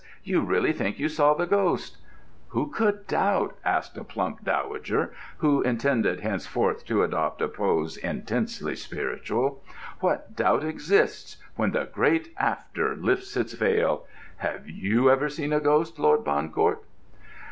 You really think you saw the ghost!" "Who could doubt?" asked a plump dowager, who intended henceforth to adopt a pose intensely spiritual. "What doubt exists, when the great After lifts its veil? Have you ever seen a ghost, Lord Bancourt?"